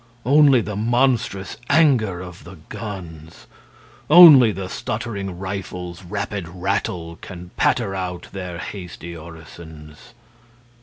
Only the monstrous anger of the guns. Only the stuttering rifles' rapid rattle Can patter out their hasty orisons.